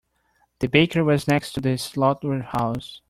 The bakery was next to the slaughterhouse.